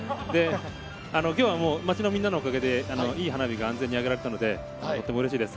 今日はもう町のみんなのおかげでいい花火が安全に揚げられたのでとてもうれしいです。